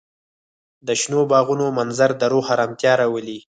د شنو باغونو منظر د روح ارامتیا راولي.